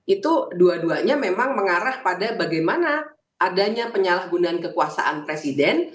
itu dua duanya memang mengarah pada bagaimana adanya penyalahgunaan kekuasaan presiden